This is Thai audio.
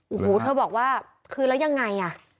โอ้โหเธอบอกว่าคือแล้วยังไงอ่ะ